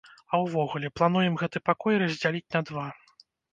А ўвогуле, плануем гэты пакой раздзяліць на два.